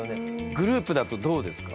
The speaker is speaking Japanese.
グループだとどうですか？